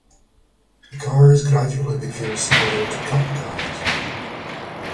The cars gradually became similar to Cup cars.